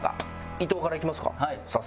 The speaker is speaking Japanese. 伊藤からいきますか早速。